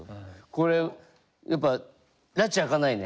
これやっぱらち明かないね。